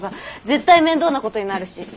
絶対面倒なことになるし。